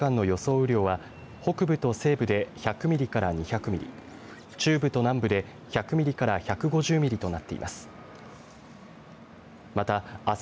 雨量は北部と西部で１００ミリから２００ミリ中部と南部で１００ミリから１５０ミリとなっています。